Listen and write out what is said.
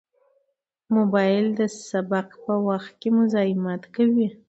موبایل د سبق په وخت کې مزاحمت کوي.